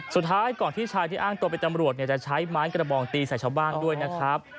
สุดท้ายก่อนที่ชายที่อ้างตัวเป็นตำรวจจะใช้ไม้กระบองตีใส่ชาวบ้านด้วยนะครับ